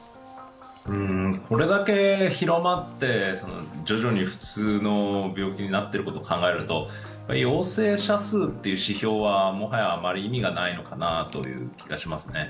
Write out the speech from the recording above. これだけ広まって、徐々に普通の病気になっていることを考えると、陽性者数という指標も、もはやあまり意味がないのかなという気がしますね。